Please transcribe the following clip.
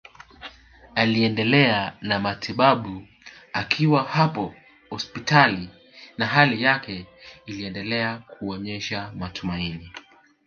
Aliendelea na matibabu akiwa hapo hospitali na hali yake iliendelea kuonesha matumaini